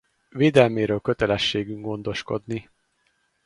Védelméről kötelességünk gondoskodni.